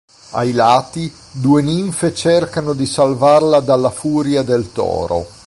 Ai lati, due ninfe cercano di salvarla dalla furia del toro.